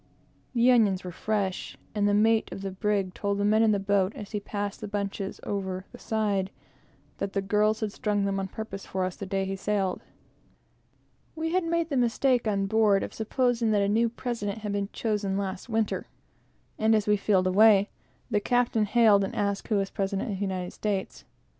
The onions were genuine and fresh; and the mate of the brig told the men in the boat, as he passed the bunches over the side, that the girls had strung them on purpose for us the day he sailed. We had supposed, on board, that a new president had been chosen, the last winter, and, just as we filled away, the captain hailed and asked who was president of the United States.